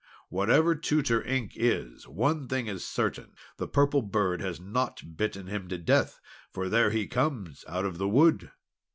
"Whatever Tutor Ink is, one thing is certain, the Purple Bird has not bitten him to death! for there he comes out of the wood!"